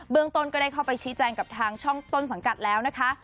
ต้นก็ได้เข้าไปชี้แจงกับทางช่องต้นสังกัดแล้วนะคะ